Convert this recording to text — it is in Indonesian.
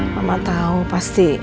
mama tahu pasti